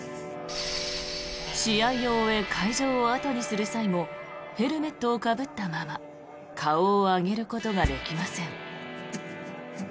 試合を終え、会場を後にする際もヘルメットをかぶったまま顔を上げることができません。